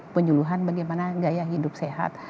penyuluhan bagaimana gaya hidup sehat